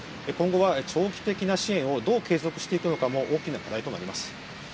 今後は長期的な支援をどう継続していくのかも大きな課題となります。